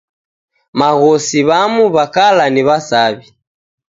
Maghosi w'amu w'a kala ni wa'saw'i.